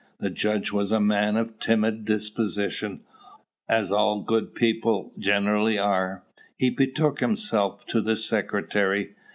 The judge was a man of timid disposition, as all good people generally are. He betook himself to the secretary.